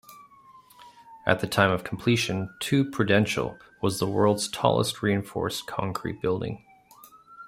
At the time of completion Two Prudential was the world's tallest reinforced concrete building.